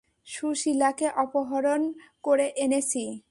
সুশীলাকে অপহরণ করে এনেছি।